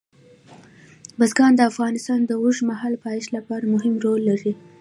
بزګان د افغانستان د اوږدمهاله پایښت لپاره مهم رول لري.